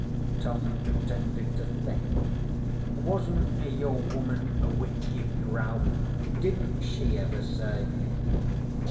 Tom pretended to think. 'Wasn't your woman a Whitgift, Ralph? Didn't she ever say?'